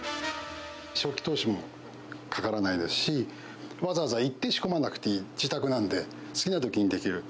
初期投資もかからないですし、わざわざ行って仕込まなくていい、自宅なんで、好きなときにできる。